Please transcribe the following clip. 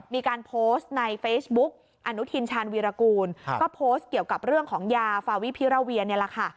มีการโพสต์ในเฟซบุ๊กอนุทินชาญวีรกูลก็โพสต์เกี่ยวกับเรื่องของยาฟาวิพิราเวียนี่แหละค่ะ